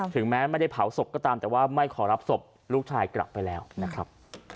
ถึงแม้ไม่ได้เผาศพก็ตามแต่ว่าไม่ขอรับศพลูกชายกลับไปแล้วนะครับ